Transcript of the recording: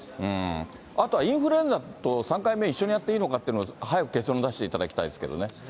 あとはインフルエンザと、３回目一緒にやっていいのかって、早く結論出していただきたいですけどね。